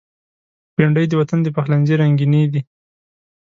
بېنډۍ د وطن د پخلنځي رنگیني ده